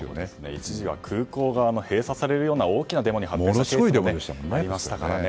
一時は空港が閉鎖されるような大きなデモに発展したこともありましたからね。